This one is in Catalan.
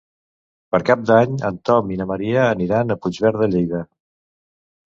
Per Cap d'Any en Tom i na Maria aniran a Puigverd de Lleida.